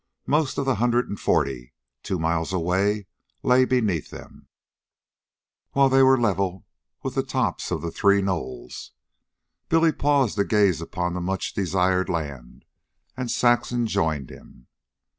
Most of the hundred and forty, two miles away, lay beneath them, while they were level with the tops of the three knolls. Billy paused to gaze upon the much desired land, and Saxon joined him.